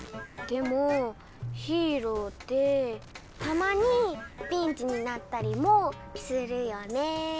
でもヒーローってたまにピンチになったりもするよね。